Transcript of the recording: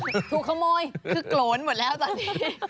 ถูกขโมยคือโกรธนหมดแล้วตอนนี้